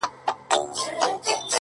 موږه غله نه يوو چي د غلو طرفدارې به کوو;